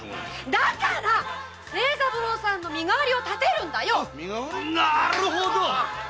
だから清三郎さんの身代わりをたてるんだよなるほど。